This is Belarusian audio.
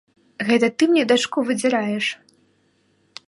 Гэта ты мне дачку выдзіраеш!